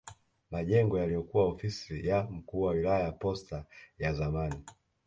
Majengo yaliyokuwa ofisi ya mkuu wa wilaya posta ya zamani